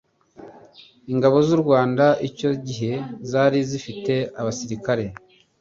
Ingabo z'u Rwanda icyo gihe zari zifite abasirikare